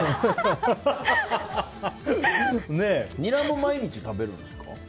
ニラも毎日食べるんですか？